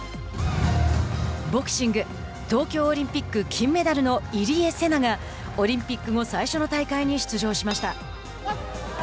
ボクシング東京オリンピック金メダルの入江聖奈がオリンピック後最初の大会に出場しました。